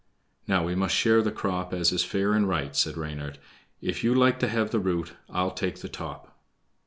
"Now we must share the crop as is fair and right," said Reynard. "If you like to have the root, I'll take the top."